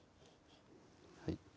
はい